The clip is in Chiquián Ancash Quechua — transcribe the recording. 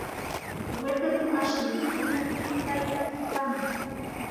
Wiqru ashnuu manam hapayta atintsu.